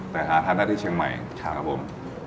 แต่หาทานได้ที่เชียงใหม่ครับผม